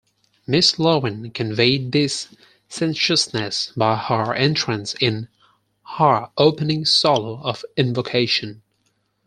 Miss Lowen conveyed this sensuousness by her entrance in her opening solo of invocation.